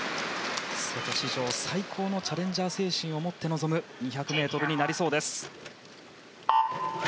瀬戸史上最高のチャレンジャー精神を持って臨む２００ｍになりそうです。